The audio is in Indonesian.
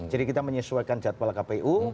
jadi kita menyesuaikan jadwal kpu